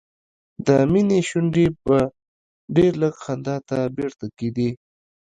د مينې شونډې به ډېر لږ خندا ته بیرته کېدې